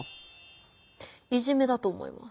いじめだと思います。